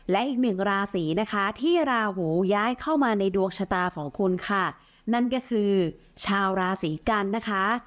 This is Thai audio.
และอีกหนึ่งราศีนะคะที่ราหูย้ายเข้ามาในดวงชะตาของคุณค่ะนั่นก็คือชาวราศีกันนะคะ